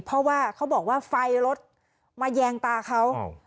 เพราะว่าเขาบอกว่าไฟรถมาแยงตาเขา